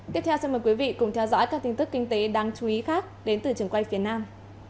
tiếp theo xin mời quý vị cùng theo dõi các tin tức kinh tế đáng chú ý khác đến từ trường quay phía nam